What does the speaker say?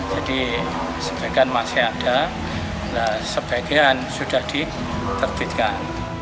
jadi sebagian masih ada sebagian sudah diterbitkan